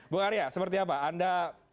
bu arya seperti apa anda